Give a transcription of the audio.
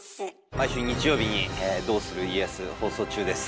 毎週日曜日に「どうする家康」放送中です。